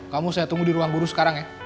kamu saya tunggu di ruang guru sekarang ya